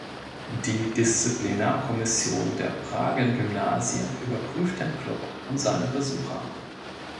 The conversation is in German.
Die Disziplinarkommission der Pragen Gymnasien überprüft den Klub und seine Besucher.